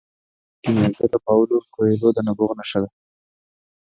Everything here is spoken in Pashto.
کیمیاګر د پاولو کویلیو د نبوغ نښه ده.